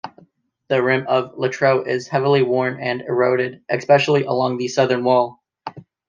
The rim of Littrow is heavily worn and eroded, especially along the southern wall.